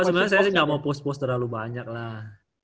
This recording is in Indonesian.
sebenernya saya sih ga mau post post terlalu banyak lah